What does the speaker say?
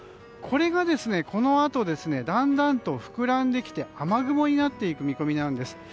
これが、このあとだんだんと膨らんできて雨雲になっていく見込みなんです。